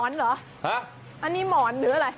อันนี้เป็นหมอนเหรออันนี้หมอนหรืออะไร